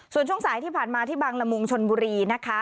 ส่วนช่วงสายที่ผ่านมาที่บางละมุงชนบุรีนะคะ